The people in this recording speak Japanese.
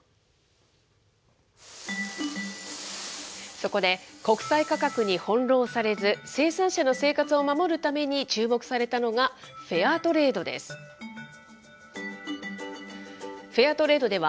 そこで、国際価格に翻弄されず、生産者の生活を守るために注目されたのが、フェアトレードです。